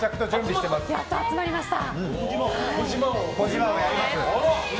やっと集まりました。